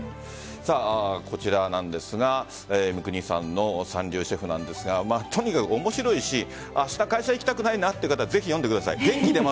こちらなんですが三國さんの「三流シェフ」なんですがとにかく面白いし明日、会社に行きたくないなという方ぜひ読んでください。